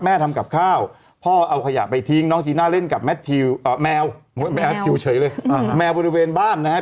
แม่ทำกับข้าวพ่อเอาขยะไปทิ้งน้องจีน่าเล่นกับแมวแมวบริเวณบ้านนะครับ